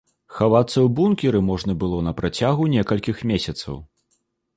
Хавацца ў бункеры можна было на працягу некалькіх месяцаў.